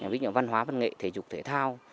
ví dụ văn hóa văn nghệ thể dục thể thao